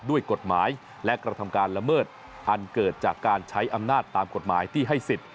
ด้วยกฎหมายและกระทำการละเมิดอันเกิดจากการใช้อำนาจตามกฎหมายที่ให้สิทธิ์